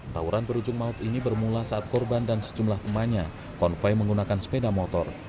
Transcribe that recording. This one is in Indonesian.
tawuran berujung maut ini bermula saat korban dan sejumlah temannya konvoy menggunakan sepeda motor